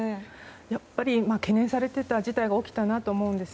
やっぱり懸念されていた事態が起きたなと思うんです。